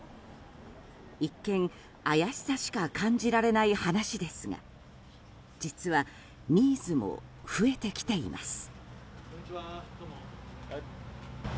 一見、怪しさしか感じられない話ですが実はニーズも増えてきています。